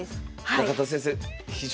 中田先生